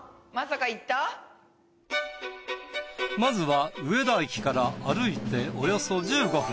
まずは上田駅から歩いておよそ１５分。